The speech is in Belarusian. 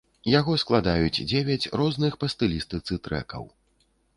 Яго складаюць дзевяць розных па стылістыцы трэкаў.